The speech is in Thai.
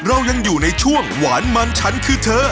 เรายังอยู่ในช่วงหวานมันฉันคือเธอ